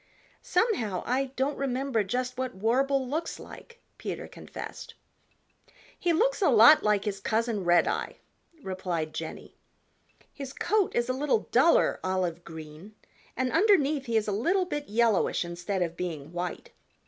"Somehow I don't remember just what Warble looks like," Peter confessed. "He looks a lot like his cousin, Redeye," replied Jenny. "His coat is a little duller olive green and underneath he is a little bit yellowish instead of being white.